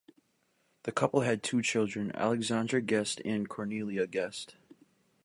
The couple had two children, Alexander Guest and Cornelia Guest.